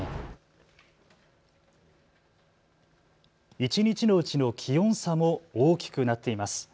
一日のうちの気温差も大きくなっています。